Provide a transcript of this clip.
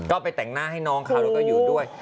ก็ไปแต่งหน้าให้น้องเขาแล้วก็อยู่ด้วย